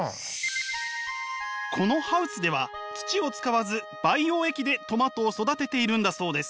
このハウスでは土を使わず培養液でトマトを育てているんだそうです。